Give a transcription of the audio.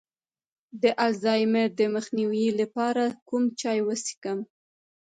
د الزایمر د مخنیوي لپاره کوم چای وڅښم؟